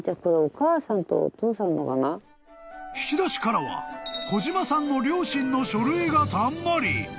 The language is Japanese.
［引き出しからは小嶋さんの両親の書類がたんまり］